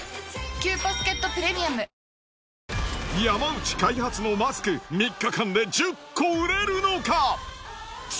山内開発のマスク、３日間で１０個売れるのか？